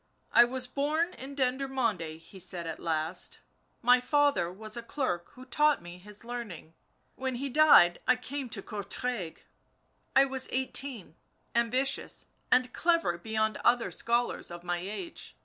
I was born in Dendermonde," he said at length. " My father was a clerk who taught me his learning. When ho died I came to Courtrai. I was eighteen, ambitious and clever beyond other scholars of my age.